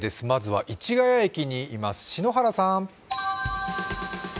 まずは市ヶ谷駅にいます篠原さん。